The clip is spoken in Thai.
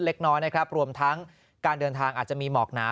เล็กน้อยนะครับรวมทั้งการเดินทางอาจจะมีหมอกหนา